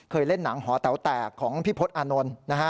เคยเล่นหนังหอแต่วแตกของพี่พลต์อานนท์